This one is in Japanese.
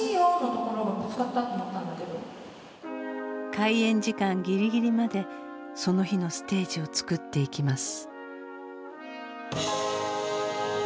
開演時間ギリギリまでその日のステージを作っていきます。